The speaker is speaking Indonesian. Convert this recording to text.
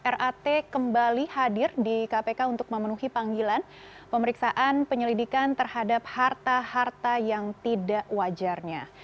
rat kembali hadir di kpk untuk memenuhi panggilan pemeriksaan penyelidikan terhadap harta harta yang tidak wajarnya